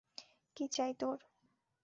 কী চাই তোর?